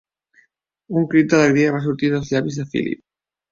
Un crit d'alegria va sortir dels llavis de Philip.